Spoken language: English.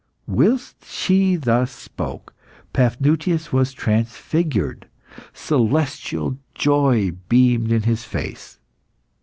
Whilst she thus spoke, Paphnutius was transfigured; celestial joy beamed in his face.